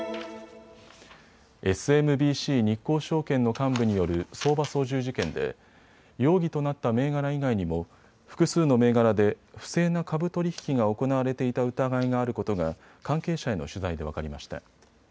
ＳＭＢＣ日興証券の幹部による相場操縦事件で容疑となった銘柄以外にも複数の銘柄で不正な株取り引きが行われていた疑いがあることが関係者への取材で分かりました。